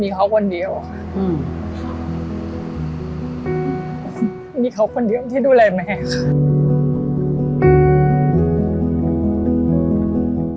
มีเขาคนเดียวที่ดูแลแม่